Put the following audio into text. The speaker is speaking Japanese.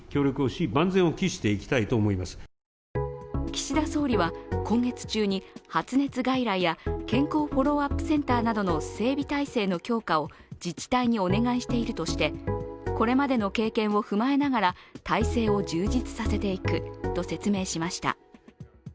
岸田総理は、今月中に発熱外来や健康フォローアップセンターなどの整備体制の強化を自治体にお願いしているとして、これまでの経験を踏まえながら体制を充実させていくと説明しました。